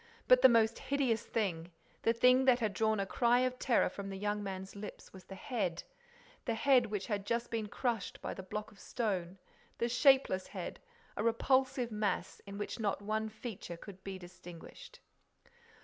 But the most hideous thing, the thing that had drawn a cry of terror from the young man's lips, was the head, the head which had just been crushed by the block of stone, the shapeless head, a repulsive mass in which not one feature could be distinguished.